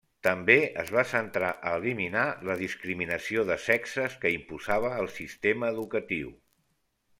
També es va centrar a eliminar la discriminació de sexes que imposava el sistema educatiu.